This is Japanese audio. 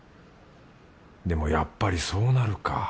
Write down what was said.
でもやっぱりそうなるか